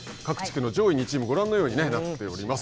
各地区の上位２チームご覧のようになっております。